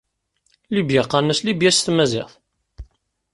Libya qqaren-as Libya s tmaziɣt.